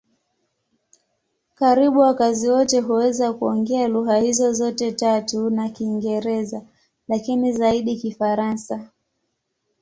Karibu wakazi wote huweza kuongea lugha hizo zote tatu na Kiingereza, lakini zaidi Kifaransa.